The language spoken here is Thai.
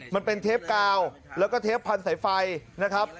มันเป็นเทปกาวแล้วก็เทปพันธุ์สายไฟนะครับ